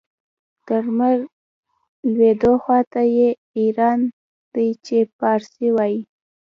د لمر لوېدو خواته یې ایران دی چې پارسي وايي.